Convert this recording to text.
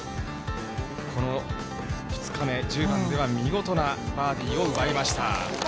この２日目、１０番では、見事なバーディーを奪いました。